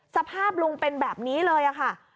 สภาพลุงเป็นแบบนี้เลยค่ะ